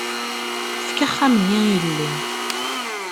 Efk axxam-nni i yelli.